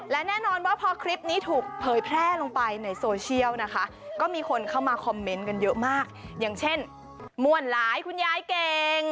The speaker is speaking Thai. และแน่นอนว่าพอคลิปนี้ถูกเผยแพร่ลงไปในโซเชียลนะคะก็มีคนเข้ามาคอมเมนต์กันเยอะมากอย่างเช่นมวลหลายคุณยายเก่ง